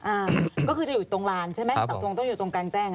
อ่าก็คือจะอยู่ตรงลานใช่ไหมครับครับผมสอทรงต้องอยู่ตรงการแจ้งกันนะคะ